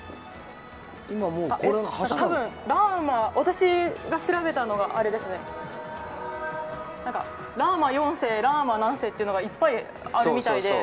多分、私が調べたのはラーマ４世ラーマ何世というのがいっぱいあるみたいで。